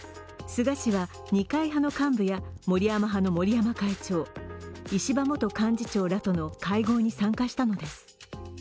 菅氏は二階派の幹部や森山派の森山会長、石破元幹事長らとの会合に参加したのです。